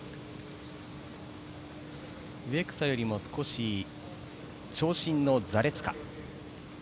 植草よりも少し長身のザレツカ。